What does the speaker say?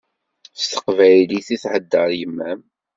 S teqbaylit i theddeṛ yemma-m.